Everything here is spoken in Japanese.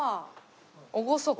厳か。